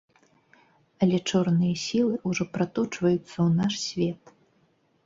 Але чорныя сілы ўжо праточваюцца ў наш свет.